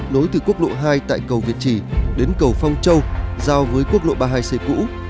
lối từ quốc lộ hai tại cầu việt trì đến cầu phong châu giao với quốc lộ ba mươi hai c cũ